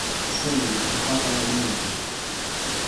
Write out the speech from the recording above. seli li ken pakala e mute.